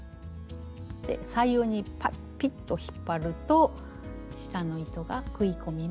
左右にピッと引っ張ると下の糸が食い込みます。